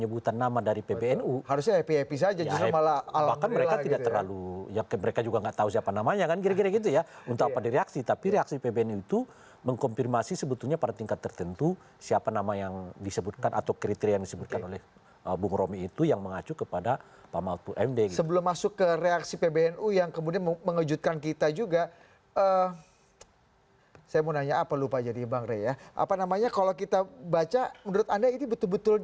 jelang penutupan pendaftaran